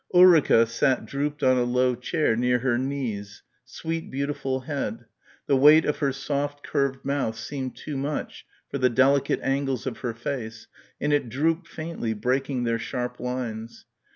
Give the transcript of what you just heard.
... Ulrica sat drooped on a low chair near her knees ... "sweet beautiful head" ... the weight of her soft curved mouth seemed too much for the delicate angles of her face and it drooped faintly, breaking their sharp lines.